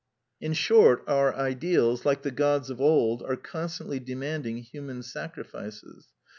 In short, our ideals, like the gods of old, are constantly demanding human sacrifices.